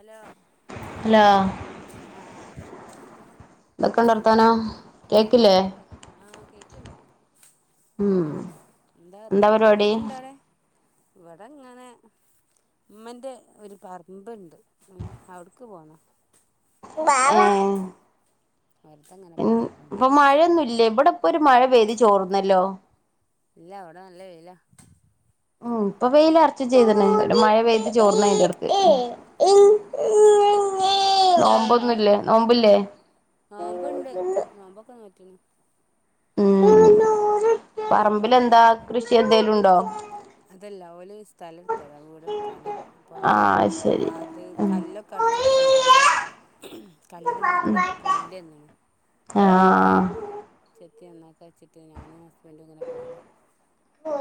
Hello hello ന്താർത്ത കേക്കില്ലേ നല്ല വർത്ത ആഹ് കേ അഹ് എന്താർത്താനൊക്കെ വെയില്ണ്ടാടെ ഇവിടെങ്ങനെ മ്മന്റെ ഒരു പറ്മ്പ്ണ്ട് ഉം അവ്ട്ക്ക് പോണ ആഹ് വെറുതെങ്ങനെ ഉം പോന്നാ പ്പ മഴയൊന്നുല്ലെ ഇബ്ടെപ്പൊരു മഴ പെയ്തിചോർന്നല്ലോ ഇല്ല അവിടെ നല്ല വെയ്ല ഉം ഇപ്പ വെയിലർച്ചുചെയ്തണെ ടെ മഴ പെയ്ത് ചോർന്നെന്റെട്ക്ക് ഏഹ് നോമ്പൊന്നുല്ലേ നോമ്പില്ലേ. നോമ്പുണ്ട് നോമ്പൊക്കെ നോറ്റിന്. ഉം പറമ്പിൽ ഇപ്പവടെ എന്താ കൃഷി എന്തേലും ഉണ്ടോ അതല്ല ഓല് സ്ഥലം എടുത്തതാ വീടെടുക്കാനെ അപ്പ ആഹ് ശരി അത് ഉം കല്ലൊക്കെ അടിച്ചിടിനെ. അവിടെ കല്ലിന്റെ മൂൾക്കൂടൊക്കെ പുല്ലെ വന്നിനെ ആഹ് [unintelligible] ഒക്കെ എന്നൊക്കെ വെച്ചിട്ട് ഞാനും ഹസ്ബൻഡും ഇങ്ങനെ പോന്ന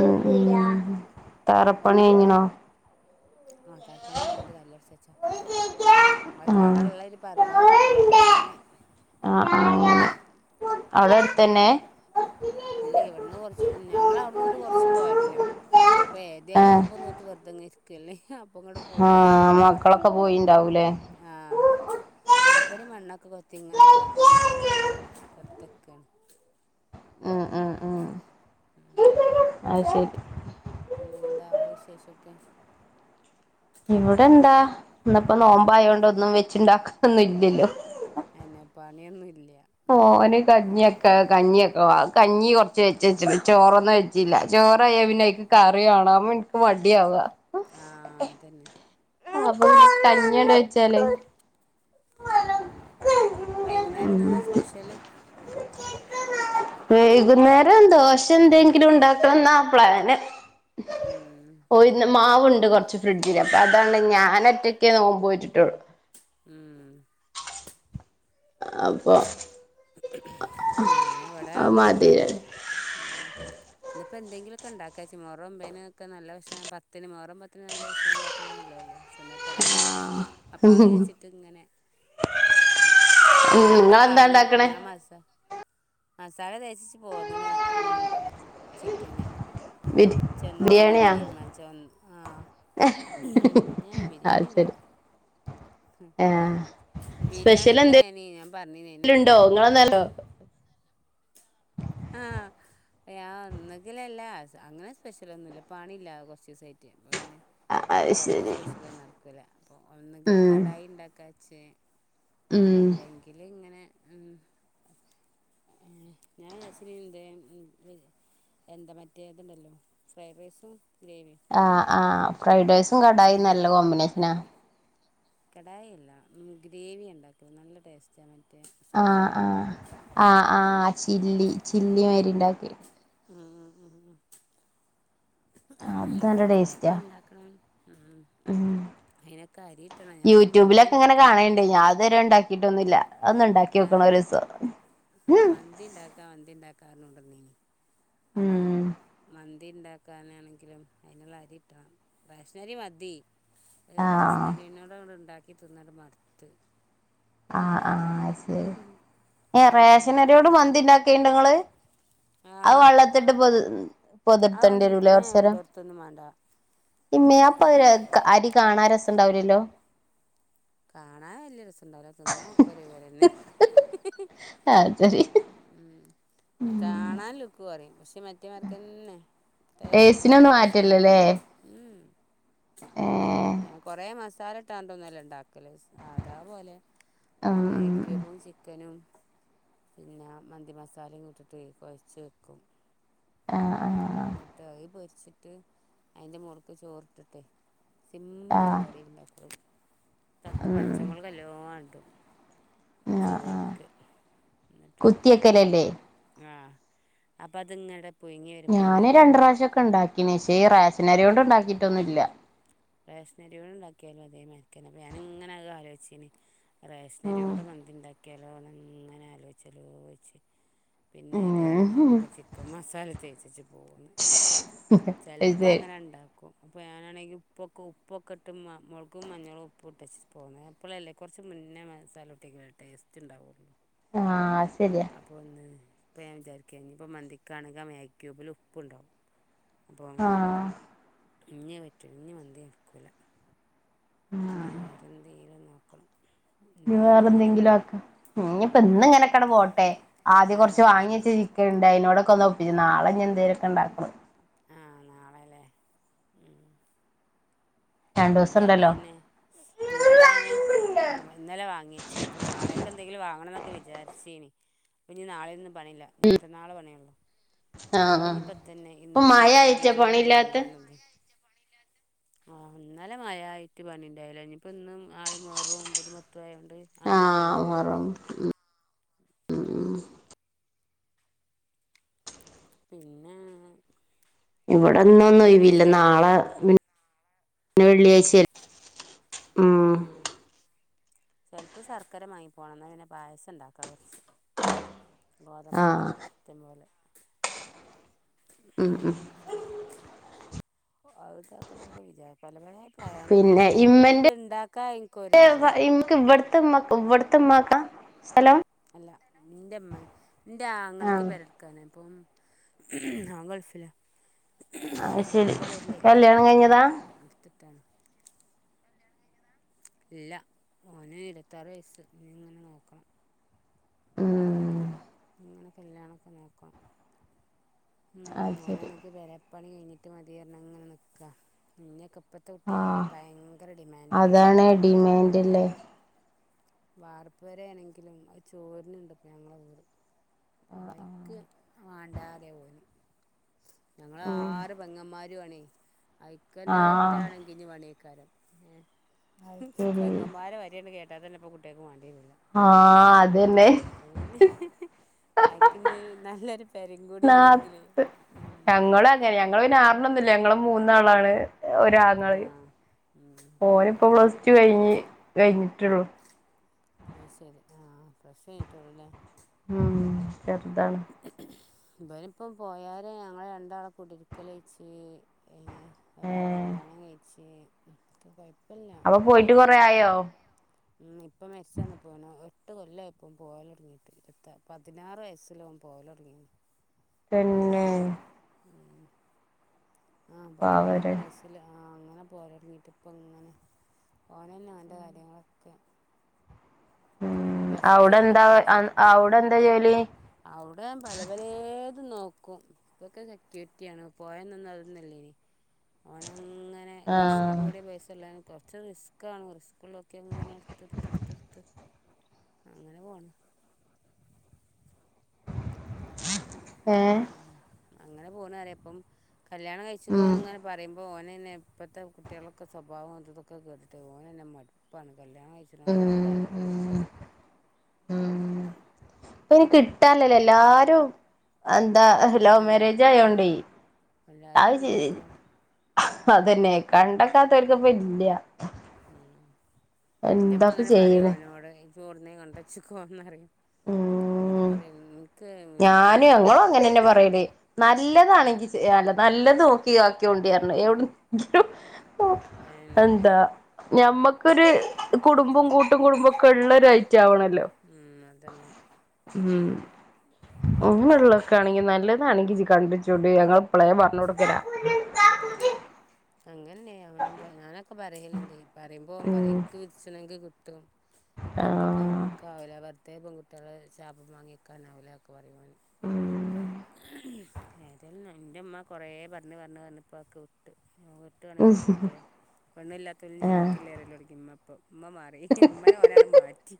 ഉം ഉം തറപ്പണി കഴിഞ്ഞിണോ? ആഹ് തറപ്പണി കഴിഞ്ഞാണ്ട് കല്ല് അടിച്ച് വെച്ച അത് ആഹ് തറയുള്ളൊരു പറമ്പാ ആഹ് വാങ്ങിയെ അങ്ങനെ ആഹ് അവിടെ അടുത്ത് തന്നെ ഇല്ല ഇവിടന്ന് കൊറച്ച് ഞങ്ങള് അവിടുന്ന് ഇങ്ങോട്ട് കൊറച്ച് പോരാനം. അപ്പോ ഏതേലും ഏഹ് നോമ്പ് നോറ്റ് വെറുതെ ഇങ്ങനെ ഇരിക്കല്ലേ ഹ അ ആഹ് മക്കളൊക്കെ പോയി ആഹ് മൂപ്പര് മണ്ണൊ ക്കെ കൊത്തി ഇങ്ങനെ ഇടാ അപ്പൊ ഞാന് ഇങ്ങനെ അവിടെ വെറുതെ നിക്കയാണ്. ആ ആ ആ ഉം ആശേരി പിന്നെ എന്താ അവിടെ വിശേഷയൊക്കെ. ഇവിടെ എന്താ ഇന്നിപ്പോ നോമ്പായോണ്ട് ഒന്നും വെച്ചുണ്ടാക്കൊന്നും ഇല്ലല്ലോ. അന്നെ പണിയൊന്നുല്ല. ഓ ഓന് കഞ്ഞിയാ കഞ്ഞിയൊക്കെ കഞ്ഞി കുറച്ച് വെച്ച് വെച്ചുണ്ട് ചോറൊന്നും വെച്ചില്ല ചോറ് ആയാ പിന്നെ എനിക്ക് കറിയൊ [unintelligible] മടിയാവുവാ ആഹ് അതന്നെ കഞ്ഞി കൊണ്ട് വെച്ചാല് ആഹ് വൈകുന്നേരം ഇന്നെന്താ സ്പെഷ്യല് വൈകുന്നേരം ദോശ എന്തെങ്കിലും ഉണ്ടാക്കണം എന്നാ പ്ലാന് ഉം ഓ ഇന്ന് മാവു ണ്ട് കൊറച്ച് ഫ്രിഡ്ജില് അപ്പൊ അതണ്ട് ഞാന് ഒറ്റക്ക്‌ നോമ്പ് നോറ്റിട്ടുള്ളൂ ഉം അപ്പൊ ഞാന് ഇവിടെ അത് മതി ഓലും ഇന്നിപ്പോ എന്തെങ്കിലും ഒക്കെ ഉണ്ടാക്കാച്ച മൊഹറം ഒമ്പതിന് ഒക്കെ നല്ല ഭക്ഷണം പത്തിന് മൊഹറം പത്തിന് നല്ല ഭക്ഷണം ഉണ്ടാക്കണത് നല്ലതല്ലേ പിന്നെ തല്ലേ അപ്പാത് കയിച്ചിട്ട് ഇങ്ങനെ ചിക്കൻ ഇവടെ നിങ്ങളെന്താ വാങ്ങി ഉണ്ടാക്കണേ പിന്നെ മസ മസാല തേച്ച് പോന്ന്ണ് ചിക്കന് [unintelligible] ചെന്നിട്ട് ബാക്കി ബിരിയാണിയാ തീരുമാനിച്ചെ ഓൻ ആഹ് അത് ശെരി ബിരിയാണിക്കായിനീ ഞാൻ പറഞ്ഞീനീന്നോ അതോ ആഹ് ഒന്നെങ്കിലല്ല അങ്ങനെ സ്പെഷ്യല് ഒന്നുമില്ല പണി ഇല്ല കുറച്ച് ദിവസം ആയിട്ട് പിന്നെ അത് കുറേ ശരി സ്പെഷ്യലൊന്നും നടക്കൂല അപ്പോൾ ഒന്നെങ്കിൽ ഉം കടായി ഉണ്ടാക്കാൻ പക്ഷേ ഉം അല്ലെങ്കിൽ ഇങ്ങനെ ഉം ഏഹ് ഞാൻ വിചാരിച്ച് പിന്നെ എന്ത്‌ എന്താ മറ്റേ ഇതുണ്ടല്ലോ ഫ്രൈഡ് റൈസും ഗ്രേവിയും ആഹ് ആഹ് ഫ്രൈഡ് റൈസും ഉം കടായിയും നല്ല ഗ്രേ കോമ്പിനേഷനാ കടായിയല്ല ഉം ഗ്രേവി ഉണ്ടാക്കും നല്ല ടേസ്റ്റ് ആണ് ആഹ് ആഹ് ആഹ് ആഹ് ചില്ലി ഉം ചില്ലി മാരിണ്ടാക്കെ ഉം അത് നല്ല ചിലപ്പോൾ ടേസ്റ്റാ ഉണ്ടാക്കണം അതിനൊക്കെ അരി കിട്ടണം ഞാൻ പറഞ്ഞില്ലേ മന്തി യൂടൂബിലൊക്കെ ഇങ്ങനെ ഉണ്ടാക്കാം നമ്മള് കാണുണ്ട് ഞാൻ ഇതുവരെ ഉണ്ടാക്കിട്ടൊന്നുമില്ല ഒന്ന് ഉണ്ടാക്കി നോക്കണം ഒരു ആഹ് ദിവസം ആഹ് മന്തി ഉണ്ടാക്കാം മന്തി [unintelligible] ഉം മന്തി ഉണ്ടാക്കാനാണെങ്കിലും അതിനുള്ള അരി കിട്ടണം റേഷനരി മതി ആഹ് റേഷനരിയനോടെ ഉണ്ടാക്കി തിന്നങ്ങട് മടുത്ത് അപ്പൊ ആ പിന്നെ ആഹ് ശെരി പക്ഷേ ഞാൻ റേഷനരിയോണ്ട് മന്തി ഇണ്ടാക്കെയ്ണ്ട് നിങ്ങള് ആ ആഹ് വെള്ളത്തിട്ട് പൊതു അത് പൊതിടുത്തേണ്ടി ഒന്ന് വരൂലേ ഏ കൊറച്ചു നേരം പുതിർത്തൊന്നും വേണ്ട ഇമ്മപ്പൊ അവര് അരി കാണാൻ രസണ്ടാവൂലല്ലോ കാണാൻ വല്യ രസം ഒരേ പോലെതന്നെ അത് ശരി ഉം കാണാൻ ലുക്ക് കുറയും പക്ഷെ മറ്റേമാർക്കെന്നെ ടേസ്റ്റ് ഒക്കെ ഒരേ ഏസിനൊന്നും മാറ്റല്ലല്ലേ സെയിംമ് ഏ കൊറേ മാസം മസാലയിട്ട് ഒന്നും അല്ല ഉണ്ടാക്കല് സാധാപോലെ ആ ഉം മാഗ് ഉം ക്യൂബും ചിക്കനും പിന്നെ മന്തി മസാലയും ഇട്ടിട്ട് കുഴച്ച് വെക്കും ആഹ് ആഹ് എന്നിട്ട് അയില് പൊരിച്ചിട്ട് അയിന്റെ മോള്ക്ക് ചോറിട്ടിട്ടെ സിമ്പിൾ ആഹ് പരിപാടിൽ ഉണ്ടാക്കുള്ളൂ തക്ക് ഉം പച്ചമുളക് നല്ലോണം ഇടും ആഹ് ആഹ് ചോറ്ക്ക് എന്നിട്ട് കുത്തിയക്കലല്ലേ ആഹ് അപ്പ അത്ങ്ങിടെ ഞാന് രണ്ട് പ്രാവശ്യം ഒക്കെ ഉണ്ടാക്കി പക്ഷേ ഈ റേഷനരികൊണ്ട് ഉണ്ടാക്കിട്ടൊന്നുമില്ല റേഷനരി ഉണ്ടാക്കിയാലും അതേ മരിക്കാന അപ്പ ഞാനിങ്ങനെ ആകെ ആലോചിച്ചന് റേഷൻരി ഉം കൊണ്ട് പന്തി ഉണ്ടാക്കിയാലോ അ അങ്ങനെ ആലോചിച്ചാലോചിച്ച് പിന്നെ താലും ഉം ഞാനിപ്പോം ചിക്കൻ മസാല തേച്ചിച്ച് പോകുന്നു [unintelligible] അപ്പൊ ഞാനാണെങ്കിൽ ഉപ്പൊക്കെ ഉപ്പൊക്കെ ഇട്ട് മ മുളകും മഞ്ഞളും ഉപ്പും ഇട്ട വച്ചച്ച് പോന്നത് എപ്പോഴല്ലേ കുറച്ച് മുന്നേ മസാല ഇട്ടി ടേസ്റ്റ് ഉണ്ടാവുകയുള്ളൂ ആഹ അപ്പൾ ഒന്ന് ഇപ്പം ഞാൻ വിചാരിക്ക കഴിഞ്ഞ ഇപ്പൾ മന്തിക്കാണെങ്കിൽ വാക്യൂബില് ഉപ്പുണ്ടാകും അപ്പം ആഹ് ഇഞ്ഞേ പറ്റൂ ഇഞ്ഞഞ് വന് എടുക്കൂല ഇ വേറെ എന്തെലും നോക്കണം എന്തേലും ഇങ്ങനെ വേറെന്തെങ്കിലും ആക്ക ന ഇപ്പ പോട്ടെ ആ ആദ്യം കൊറച്ച് വാങ്ങി അതന്നെ വച്ച ഇരിക്കണ്ട് അനോടൊക്കെ ഒന്ന് ഒപ്പിച്ച നാളെഞാന്തേരൊക്കെ ഉണ്ടാക്കണം ആ നാളെ അല്ലേ ഉം. രണ്ടുസം ഉണ്ടല്ലോ ഇന്നലേ ഇന്നലെ വാങ്ങി വച്ചത് അപ്പൊ നാളേക്ക എന്തെങ്കിലും വാങ്ങണംൊക്ക ഒക്കെ വിചാരിച്ചേനി പ്പ നി നാളെൊന്നും പണയില്ല ഞൻ മറ്റന്നാളെ പണിയുള്ളൂ ആഹ് അപ്പൊ ആഹ് ഇനിയിപ്പതന്നെ ഇപ്പൊ ഇന്നും മഴ നാളും ആയിട്ടാ കൂടെയാണ് പണിയില്ലാത്ത കണ്ടാണത് ആഹ ഒന്നാല മഴ ആട്ട് പണി ഉണ്ടല്ല ഇനിപ്പ ഇന്നും ആള മോറ പുതുമ മത്ത ആയൊണ്ട് ആഹറം പിന്നെ ഇവിടെന്ന ഒന്നും ഇനി ഇന്ന് ഒയിവില്ല നാളെ ചിലപ്പം പി പിന്ന വെള്ളിയാഴ്ചയല്ല ആ ചെലപ്പോൾ ശർക്കര വാങ്ങി പോണംന്നാ പിന്നെ പായസം ഉണ്ടാക്കാം കുറച്ച് ഗോതമ്പണ്ടാട ആഹ് തമ്മല് ഉ ഉ അവടുടെക്കൊ വിചാരിക്കും പലവേ [unintelligible] പിന്നെ ഇമ്മന്റെ എനിക്കൊരു മടിയില്ല ഇൻക് ഇവിടെ ഇമ്മക്ക് ഇവിട് ഇവിടെത്തെ ഇമ്മാക്കാ സ്ഥലം അല്ല ഇന്റെമ്മ ഇന്റെ ആങ്ങൾക്ക് ആഹ് പേരട്ക്കാന് അപ്പം ഓൻ ഗൾഫില് അയ് ശരി കല്യാണം കഴിഞ്ഞതാ എടുത്തിട്ടാണ് ഇല്ല ഓന് ഇരുപത്താറ് വയസ്സ് ഇനി ഇങ്ങനെ നോക്കണം ഉം കല്യാണം നോക്കണം ഉം അത് ശരി ഒനാണക്കിൽ പെ പ്പണി കഴിഞ്ഞിട്ട് മതിപറഞ്ഞങ്ങനെ നിക്കാ ഇഞ്ഞൊക്കെ ഇപ്പോത്തെ കുട്ടിയെക്കൊക്കെ ആഹ് ഭയങ്കര ഡിമാൻഡല്ലേ അതാണ് അപ്പോ ഡിമാൻഡല്ലേ വാർപ്പ് വരെ ആണെങ്കിലും ആ ചോര്ന്ണ്ട്പ്പ ഞങ്ങടെ വീട് ആ ആ മാണ്ട [unintelligible] ഓർ ഞങ്ങൾ ഉം ആറ് പെങ്ങന്മാരു ആണേ ആയിക്കെന്നെ ആഹ് സെറ്റവാണെകിൽ ഇനി പണിയക്കാരം ഏ അത് ശരി പെങ്ങമാരെ വാരിയങ് കേട്ട [unintelligible] പെണ്ണ്കുട്ടികക്ക് വേണ്ടിനു ആഹ അതെന്നെ ഹാ നല്ലരു നാ ക് ഞങ്ങൾ അങ്ങനെ ഞങ്ങള് ആറണ്ണം ഒന്നൂല്ല്യ ഞങ്ങള് മൂന്നാളാണ് ഒരാളങ്ങളി ആഹ് ഉം ഒന് ഇപ്പോ പ്ലസ് ടു കഴിഞ്ഞ് കഴിഞ്ഞിട്ടുള്ളു അ ശരി ആഹ പ്ലസ്‌ ടു കഴിഞ്ഞിട്ട്ഉള്ളുല്ലേ ഉം ചെർതാണ് ന്തായാലും ഇപ്പം പോയരെ ഞങ്ങ രണ്ടാള കുടരിക്കലഴച്ച് ഏ ഒരാള ഏഹ് കല്യാണം കഴിച്ച് [unintelligible] അപ്പൊ പോയിട്ട് കൊറ ആയോ ഉ ഇപ്പം മെസ്സ് [unintelligible] പോയിണ് എട്ട് കൊല്ല ഇപ്പം പോവൻ തുടങ്ങിയിട്ട് ഇരു പതിനാറ് വയസ് [unintelligible] തന്നെ ആഹ പാവല്ലേ പതിനേക്കെ വയസ്സില് ആ അങ്ങനെ പോലടങ്ങിട്ട് ഇപ്പ ഇങ്ങനെ ഓൻ തന്നെ ഓന്റെ കാര്യങ്ങളൊക്കെ ഒന്ന് ഉം പ്ലസ് ടു യാണ്ട് അവിടെന്താ പാസായി അവിടെന്താ ജോലി അവിടെ പല പല ത് നോക്കും ഇതൊക്കെ സെക്യൂരിറ്റിാണ് പോയൊന്ന് ഒന്ന് അത് ഒന്നും അല്ലെനി അങ്ങനെ രസം ആഹ് കൂടി പൈസ ഉള്ളെന് പൊർ കുറച്ച് റിസ്ക്ണ് റിസ്കുകളൊക്കെ എങ്ങനെ എടുത്ത്ടുത്ത്ടുത്ത്ടുത്ത് അങ്ങനെ പോണ് ഏഹ് ഉം അങ്ങനെ പോണ്റിയ അപ്പം കല്യാണം കഴിച്ചിക്കോന്ന് ഉം അങ്ങനെ പറയും ഓനെ തന്നെ ഇപ്പോത്തെ കുട്ടികളൊക്കെ സ്വഭാവം അത് ഇതൊക്കെ കേട്ട് ഓന തന്നെ മടുപ്പാണ് എകല്യാണം കയിച്ണോലോട് ഉം ഉം താല്പര്യന്നുല്ല്യ ഇപ്പയ്നി കിട്ടാൻലല്ലോ എല്ലാരും അ ന്താ ലവ് അതന്നെ മാരേജ ആയോണ്ടെ എല്ലാരും ആഹ് ചെയ് കണ്ടക്കാണ് അതെന്നെ കണ്ടക്കാത്തോൽക്ക്പ്പല്ല്യ ഉം എന്താപ്പ ഇന്റെമ്മങ്ങനെ ചെയ്യ്ണ് പറയുവോനോട് ഇജോട്ന്നേലും കൊണ്ടച്ചക്കോന്നറിയും. പോ ഉം നറിം ഞാനും ഞങ്ങളും അങ്ങനെന്നെ പറയല് നല്ലതാണെങ്കില്ല നല്ലതും ക്കി ആക്കോണ്ടിയർഞ്ഞ് ഉം എവിട്ന്നും. അതന്നെ എന്താ ഞമ്മക്കൊരു കുടുംബം ഉം കൂട്ടും കുടുംബക്കെ ഉള്ളൊരു അയ് ആവണല്ലോ ഉം അതന്നെ ഉം ഒന്നിള്ളൊക്കാണെങ്കി നല്ലതാണെങ്കി ജ്ജ് കണ്ടെച്ചൊണ്ടി ഞങ്ങൾ പ്പളേ പറഞ്ഞൊട്ക്കലാ ഉം ഒെ പറയലണ്ട് ഉം പറയുമ്പോപറെം ക്ക് വിച്ചണെങ്കിൽ ത്തും ആഹ് കണ്ടെക്കൻക്കാവില്ല വെറുതേ പെൺകുട്ടികളെ ശാപം വാങ്ങി വെക്കാന ആാവില്ല കുറവണ ഉം ഏതാലും എൻ്റെ അമ്മ കുറേ പറഞ്ഞഞ് പറഞ്ഞ് പറഞ്ഞപ്പോൾക്ക ഇട്ട് ഒട്ട്വാണെങ്ക ഒട്ടിക്കോട്ടെ പെണ്ണില്ലാത്തലും ആഹ് ജീവിക്കില്ലേരെലോടിക്കും ഉമ്മ മാറി ഉമ്മനെ ഓനട് മാറ്റി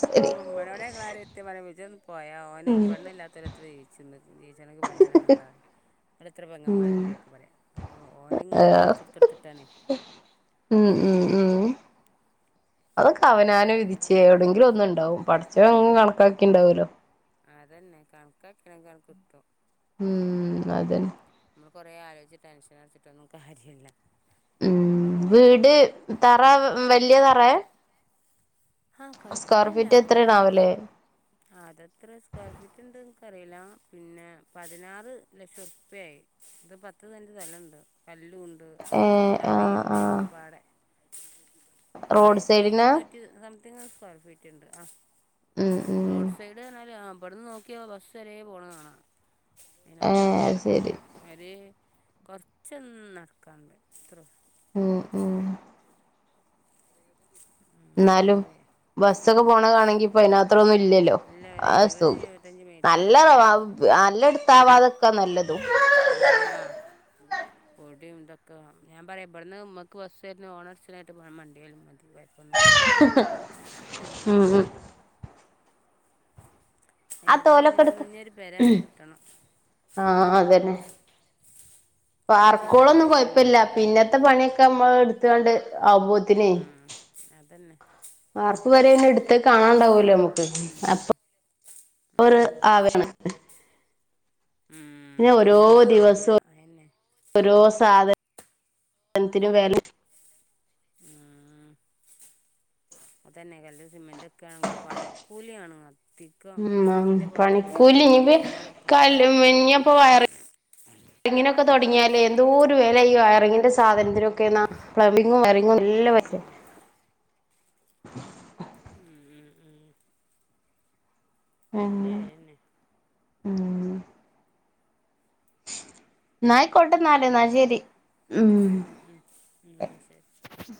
ശരി അപ്പ ഉമ്മനോടെ കാര് എത്തി പറ വിന്ന് പോയാ അവന് പെണ്ണില്ലാത്ത എത്ര ജീച്ച ജനക്ക് പെന്നെ വേണ്ടാെ അവിടെത്ര പെങ്ങന്മാരില്ലേ ഒക്കെ പറയാ അപ്പൊ ഓനങ്ങ് ആഹ് ക്ലാസ് എടുത്ത്ടുത്തിട്ടാണേ ഉം ഉം ഉം അവനാനോ ഏതായാലും വിധിച്ചേ ഇങ്ങനെയൊക്കെ എവിടെങ്കിലും ഒന്നു ഉണ്ടാവും പഠച്ചവൻ അങ്ങ് കണക്കാക്കി ഉണ്ടാവല്ലോ അതന്നെ കണക്കാക്കിണ കണക്ക് കിട്ടും ഉം അതന്നെ നമ്മൾ കുറേ ആലോച്ച് ടൻഷൻ അടച്ചിട്ടൊന്നുംകാര്യല്ല ഉം വീട് തറ വല്യ തറയ ആഹ കൊഴപ്പല്ല എത്രയാണാവല്ലേ അതെത്ര സ്ക്വയർ ഫീറ്റ് ഉണ്ട് അറിയില്ല പിന്നെ പതിനാറ് ലക്ഷം ഉർപ്പ്യ ആയി ഇത് പത്ത് തൻറെ സ്ഥലമുണ്ട് കല്ലും ഉണ്ട് ഏഹ് ആഹ് ആഹ് തറിയുണ്ട്ക്കെ പാടെ റോഡ് ആയിരത്തി സൈഡിനാ ഇരുന്നൂറ്റി സംതിങ് സ്ക്വയർ ഫീറ്റ് ഉണ്ട് ആ ഉം ഉം റോഡ് സൈഡ് താല് പവിടന്ന് നോക്കിയ ബസ്സ് ചിലെ പോണതാണ് ഏഹ് അതിനത്രം അത് ശരി അവര് കൊറച്ചും നടക്കാറുണ്ട് എത്ര ഉം ഉം എന്നാലും ഇവിടെ ബസ്സൊക്കെ പോണ കാണെങ്കി ഇപ്പ അതിനാത്രൊന്നും ഇല്ലല്ലോ ഇല്ല ഒരു ആ സ എഴുപത് എഴുപത്തഞ്ച് മീറ്റർ വേണം നല്ലത അത്ര നല്ലടത്താവാതൊക്കാ നല്ലതും ആഹ പൊട ഇതൊക്കെ ഞാൻ പറയാം ഇവിടുന്ന് മമ്മക്ക് ബസ്ായിരുന്നു ഓണർസിനായിട്ട് മണ്ടിയാലും മ പായ ബനല്ല ഉം ഉം ആ ഏതേലും തോലൊക്കെ ഇങ്ങനെ ഒന്ന് എടുത്ത് ഇനി ഒരു പെരായി കിട്ടണം ആഹ അതന്നെ ഇപ്പൊ ചില്ലറ പാർക്കോളൊന്നും പൈസ ഒന്നും കൊഴപ്പില്ല പോരാ പിന്നത്തെ പണിയൊക്കെ നമ്മൾ എ എത്തണ്ട് ആബോത്തിനെ ഉം അതന്നെ വർക്ക് വരെെ എടുത്ത കാണാൻ ഉണ്ടാവലോ നമുക്ക് ഉം അപ്പൊ ഒരു അതന്നെ ആവശാണ് ഉം പിന്നെ ഓരോ പിന്നുള്ളത് കാണൂല ദിവസവും അതന്നെ ഓരോ സാധന ത്തിു വേല അ തന്നെ കല്ല സിമെൻറ്ൊക്കെ ആണെങ്കിൽ പണിക്കൂലിയ ആാണ് കുത്തിിക്ക ഉം ആയിരത്തിന്റെ പുൊറത്ത് പണിക്കൂലി എല്ലാത്തന്നും ഇനിപ്പ മണിക്കൂലി എറക്കണം ഒരാൾക്ക തന്നെ കങ്ങിനൊക്കെ തുടങ്ങിയാലേ എന്തോ ഒരു വേലയ്യ ങ്ങിന്റെ സാധനത്തിനൊക്കെ എന്ന പ്ലബബിങ്ങും വറിങ്ങും എല്ല പ അതന്നെ മം ഉം ഉ ഉല്ലേന്നെ ഉം ന ആയിക്കോട്ടെ ഉ ഉ ഉ ശരി ഉ